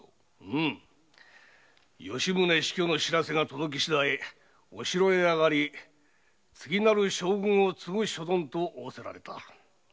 吉宗死去の報らせが届きしだいお城へあがり次なる将軍を継ぐ所存と仰せられた。